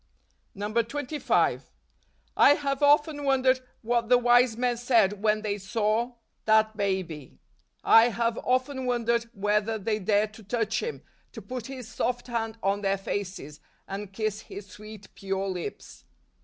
144 DECEMBER. 25. I have often wondered what the wise men said when they saw that Baby. I have often wondered whether they dared to touch Him, to put His soft hand on their faces, and kiss His sweet, pure lips.